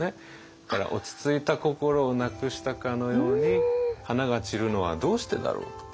だから落ち着いた心をなくしたかのように「花が散るのはどうしてだろう」と言っている。